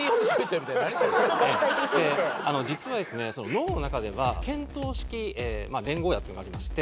脳の中では見当識連合野っていうのがありまして。